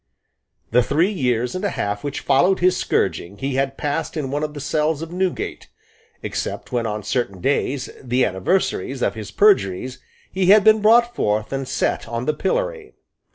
The three years and a half which followed his scourging he had passed in one of the cells of Newgate, except when on certain days, the anniversaries of his perjuries, he had been brought forth and set on the pillory.